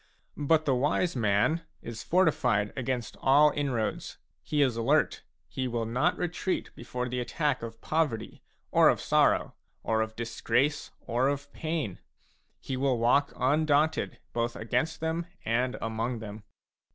a But the wise man is fortified against all inroads ; he is alert ; he will not retreat before the attack of poverty, or of sorrow, or of disgrace, or of pain. He will walk undaunted both against them and among them.